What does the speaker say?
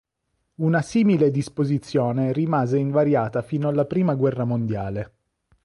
Una simile disposizione rimase invariata fino alla prima guerra mondiale.